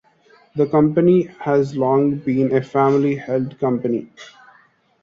The company has long been a family-held company.